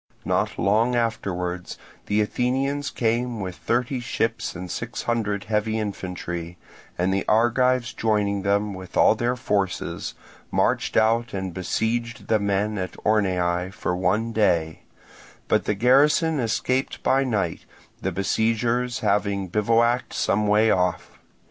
Not long afterwards the Athenians came with thirty ships and six hundred heavy infantry, and the Argives joining them with all their forces, marched out and besieged the men in Orneae for one day; but the garrison escaped by night, the besiegers having bivouacked some way off.